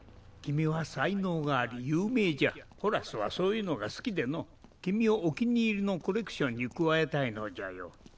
君は才能があり有名じゃホラスはそういうのが好きでのう君をお気に入りのコレクションに加えたいのじゃよ